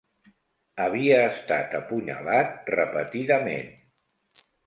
Havia estat apunyalat repetidament.